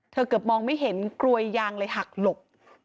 เกือบมองไม่เห็นกลวยยางเลยหักหลบ